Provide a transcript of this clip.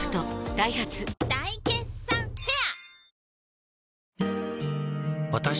ダイハツ大決算フェア